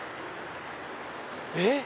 えっ？